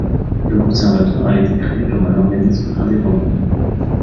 Le Conservatoire a été créé comme un organisme indépendant.